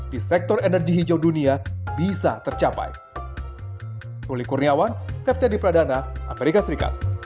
di sektor energi hijau dunia bisa tercapai